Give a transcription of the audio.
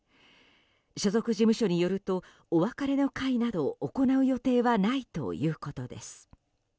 所属事務所によるとお別れの会など行う予定はないということです。